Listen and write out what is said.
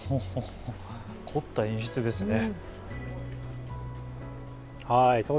凝った演出ですね。